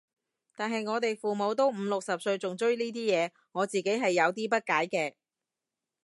但係我哋父母都五六十歲仲追呢啲嘢，我自己係有啲不解嘅